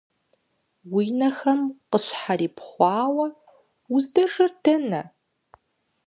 Уи нэхэм къыщхьэрипхъуауэ, уздэжэр дэнэ?